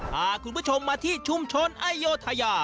พาคุณผู้ชมมาที่ชุมชนอโยธยา